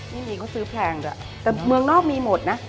ไม่มีเขาซื้อแพงด้วยแต่เมืองนอกมีหมดนะ